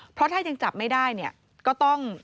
เพราะถ้ายังจับไม่ได้เนี่ยก็ต้อง